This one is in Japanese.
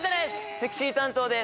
セクシー担当です